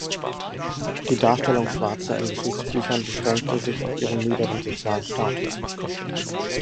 Die Darstellung Schwarzer in Geschichtsbüchern beschränkte sich auf ihren niederen sozialen Status.